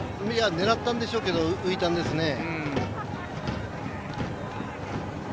狙ったんでしょうけども浮いたんですかね。